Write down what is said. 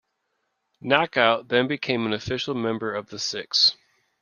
Knockout then became an official member of the Six.